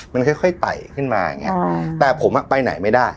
มันค่อยไต่ขึ้นมาอย่างเงี้ยแต่ผมอ่ะไปไหนไม่ได้